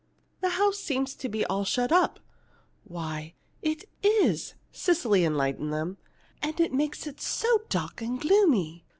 The house seems to be all shut up." "Why, it is!" Cecily enlightened them. "And it makes it so dark and gloomy!